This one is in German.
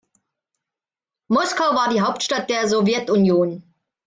Moskau war die Hauptstadt der Sowjetunion.